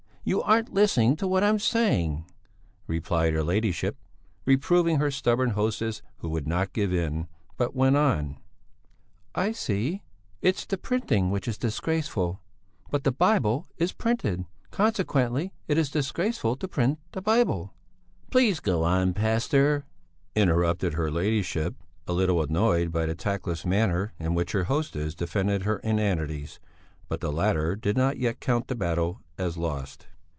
You aren't listening to what I'm saying," replied her ladyship, reproving her stubborn hostess who would not give in, but went on: "I see! It's the printing which is disgraceful! But the Bible is printed, consequently it is disgraceful to print the Bible...." "Please go on, pastor," interrupted her ladyship, a little annoyed by the tactless manner in which her hostess defended her inanities; but the latter did not yet count the battle as lost.